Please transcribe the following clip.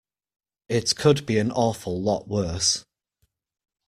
It could be an awful lot worse.